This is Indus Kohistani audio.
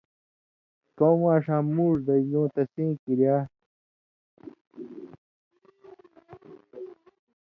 کؤں ماݜاں مُوڙ دژیۡ لُوں تسیں کریا